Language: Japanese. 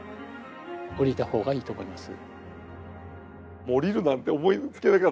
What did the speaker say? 下りた方がいいと思います。